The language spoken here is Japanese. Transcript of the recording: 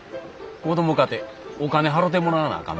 子供かてお金払てもらわなあかんな。